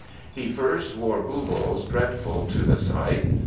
He first wore buboes dreadful to the sight.